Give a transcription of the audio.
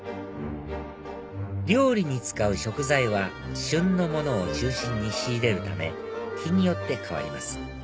料理に使う食材は旬のものを中心に仕入れるため日によって替わります